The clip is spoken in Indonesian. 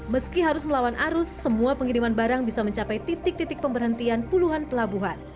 meski harus melawan arus semua pengiriman barang bisa mencapai titik titik pemberhentian puluhan pelabuhan